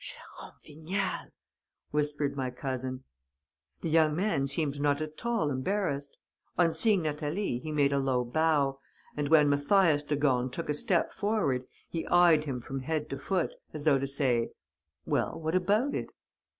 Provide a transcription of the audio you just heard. "'Jérôme Vignal,' whispered my cousin. "The young man seemed not at all embarrassed. On seeing Natalie, he made a low bow; and, when Mathias de Gorne took a step forward, he eyed him from head to foot, as though to say: "'Well, what about it?'